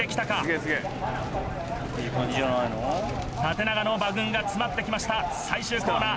縦長の馬群が詰まって来ました最終コーナー。